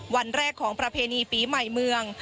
วันแรกของประเพณีปีใหม่เมือง